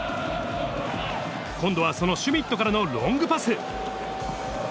今度はそのシュミットからのロングパス。